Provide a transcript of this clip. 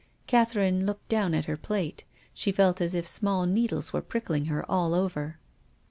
Catherine looked down at her plate. She felt as if small needles were pricking her all over.